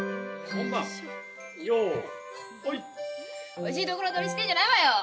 おいしいところ取りしてんじゃないわよ！